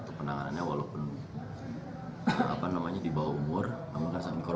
kami akan menangani korban tersebut walaupun di bawah umur